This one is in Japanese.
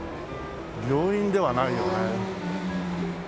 病院ではないよね。